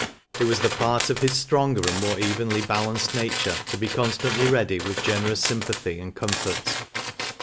It was the part of liis stronger and more evenly balanced nature to be conEtaiitlj ready with generous sympathy and comfort.